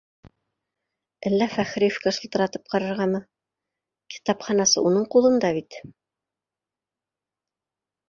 Әллә Фәхриевкә шылтыратып ҡарарғамы? Китапханасы уның ҡулында бит